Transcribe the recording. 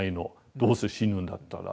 どうせ死ぬんだったら。